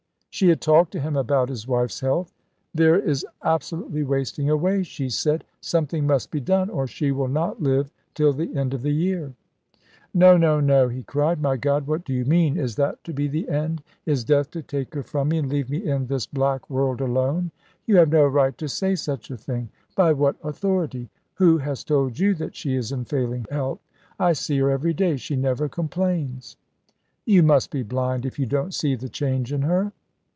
She had talked to him about his wife's health. "Vera is absolutely wasting away," she said. "Something must be done, or she will not live till the end of the year." "No, no, no," he cried. "My God, what do you mean? Is that to be the end? Is death to take her from me and leave me in this black world alone? You have no right to say such a thing! By what authority? Who has told you that she is in failing health? I see her every day. She never complains." "You must be blind if you don't see the change in her."